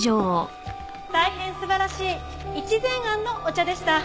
大変素晴らしい一善庵のお茶でした。